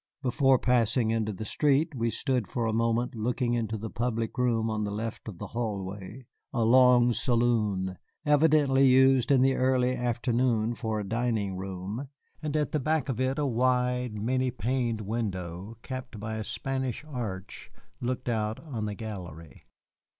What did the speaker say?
Before passing into the street we stood for a moment looking into the public room on the left of the hallway, a long saloon, evidently used in the early afternoon for a dining room, and at the back of it a wide, many paned window, capped by a Spanish arch, looked out on the gallery.